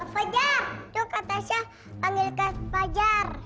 fajar tuh kata saya panggilkan fajar